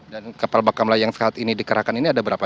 dan kapal bakamlah yang saat ini dikerahkan ini ada berapa